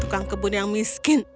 tukang kebun yang miskin